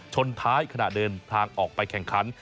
ชนท้ายขณะเดินทางออกไปแข่งขัน